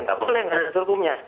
tidak boleh tidak ada sehukumnya